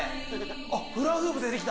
あっ、フラフープ出てきた。